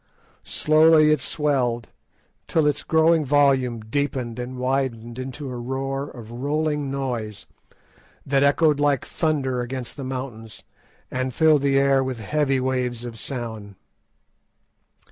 Slowly it swelled, till its growing volume deepened and widened into a roar of rolling noise, that echoed like thunder against the mountains, and filled the air with heavy waves of sound.